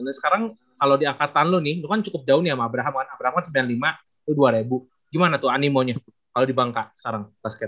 nah sekarang kalau di angkatan lu nih itu kan cukup jauh nih sama abraham abraham sembilan puluh lima itu dua ribu gimana tuh animonya kalau di bangka sekarang basket